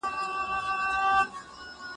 تاريخي فلسفې په ټولنپوهنه اغېزه وکړه.